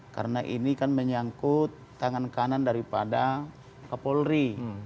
karena ini kan menyangkut tangan kanan daripada kapolri